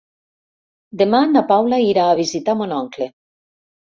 Demà na Paula irà a visitar mon oncle.